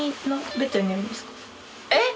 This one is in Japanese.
えっ？